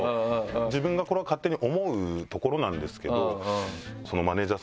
自分がこれは勝手に思うところなんですけど。